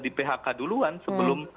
di phk duluan sebelum